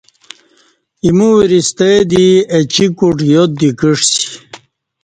ایمو وری ستہ دی اچی کوٹ یاد دی کعسی